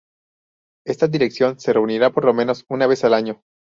Esta dirección se reunirá por lo menos una vez al año.